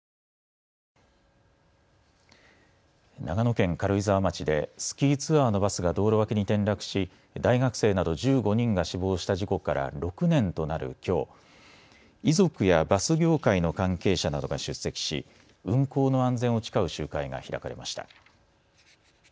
長野県軽井沢町でスキーツアーのバスが道路脇に転落し大学生など１５人が死亡した事故から６年となるきょう、遺族やバス業界の関係者などが出席し運行の安全を誓う集会が開かれました。